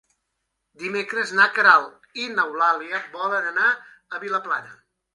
Dimecres na Queralt i n'Eulàlia volen anar a Vilaplana.